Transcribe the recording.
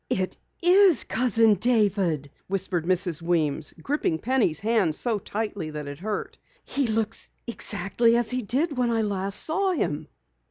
"It is Cousin David!" whispered Mrs. Weems, gripping Penny's hand so tightly that it hurt. "He looks exactly as he did when last I saw him!"